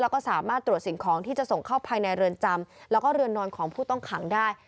แล้วก็สามารถตรวจสิ่งของที่จะส่งเข้าภายในเรือนจำแล้วก็เรือนนอนของผู้ต้องขังได้